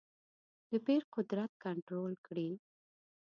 د پیر قدرت کنټرول کړې.